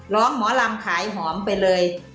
ร้องหมอลำขายหอมไปเลย